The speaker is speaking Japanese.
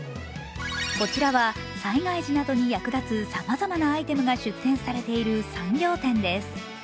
こちらは、災害時などに役立つさまざまなアイテムが出展されている産業展です。